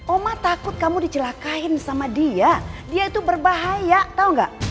oma takut kamu dicelakain sama dia dia itu berbahaya tau gak